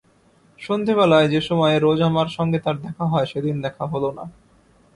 সন্ধ্যাবেলায় যে সময়ে রোজ আমার সঙ্গে তাঁর দেখা হয় সেদিন দেখা হল না।